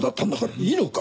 いいのか？